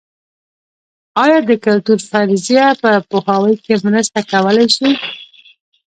ایا د کلتور فرضیه په پوهاوي کې مرسته کولای شي؟